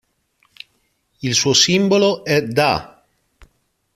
Il suo simbolo è da.